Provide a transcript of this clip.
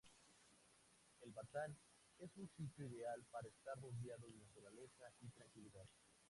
El Batán es un sitio ideal para estar rodeado de naturaleza y tranquilidad.